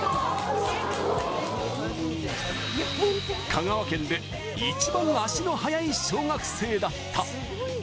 香川県で一番足の速い小学生だった。